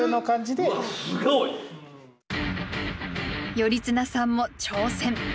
頼綱さんも挑戦。